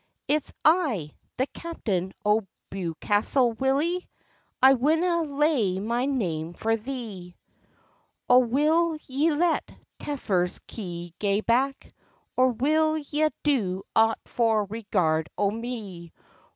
"It's I, the captain o' Bewcastle, Willie; I winna layne my name for thee." "O will ye let Telfer's kye gae back, Or will ye do aught for regard o' me?